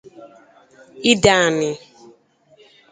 Ideanị